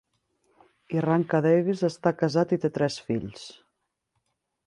Irranca-Davies està casat i té tres fills.